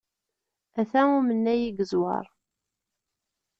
Ata umennay i yeẓwer!